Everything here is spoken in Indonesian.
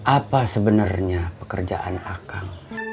apa sebenarnya pekerjaan akan